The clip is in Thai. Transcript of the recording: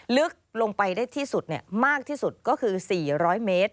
ลึกลงไปได้ที่สุดมากที่สุดก็คือ๔๐๐เมตร